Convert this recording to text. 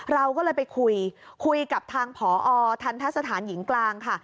เราก็เลยไปคุยคุยกับทางผอทันทะสถานหญิงกลางค่ะ